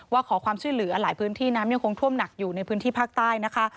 ขอความช่วยเหลือหลายพื้นที่น้ำยังคงท่วมหนักอยู่ในพื้นที่ภาคใต้นะคะ